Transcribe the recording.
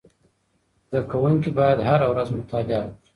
زده کوونکي باید هره ورځ مطالعه وکړي.